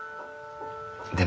でも」。